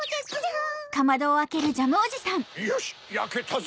よしやけたぞ！